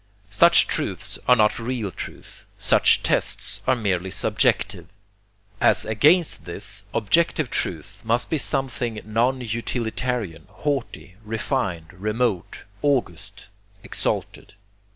Such truths are not real truth. Such tests are merely subjective. As against this, objective truth must be something non utilitarian, haughty, refined, remote, august, exalted.